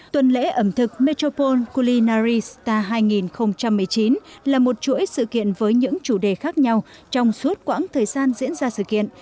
tuần lễ ẩm thực metropole culinary star hai nghìn một mươi chín là một chuỗi sự kiện với những chủ đề khác nhau trong suốt quãng thời gian diễn ra sự kiện